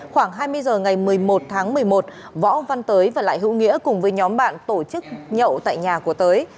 khoảng hai mươi h ngày một mươi một tháng một mươi một võ văn tới và lại hữu nghĩa cùng với nhóm bạn tổ chức nhậu tại nhà của tới